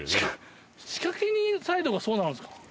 仕掛け人サイドがそうなんすか？